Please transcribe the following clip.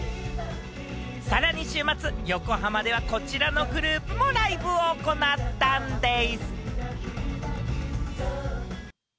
さらに週末、横浜ではこちらのグループもライブを行ったんでぃす！